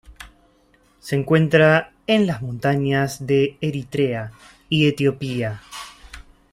Se encuentra en las montañas de Eritrea y Etiopía.